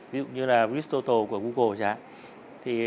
ví dụ như là risk total của google